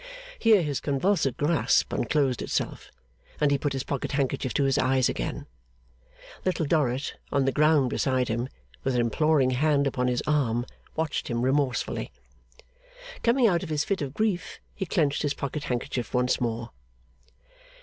Here his convulsive grasp unclosed itself, and he put his pocket handkerchief to his eyes again. Little Dorrit, on the ground beside him, with her imploring hand upon his arm, watched him remorsefully. Coming out of his fit of grief, he clenched his pocket handkerchief once more.